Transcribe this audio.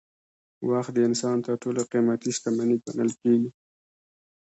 وخت د انسان تر ټولو قیمتي شتمني ګڼل کېږي.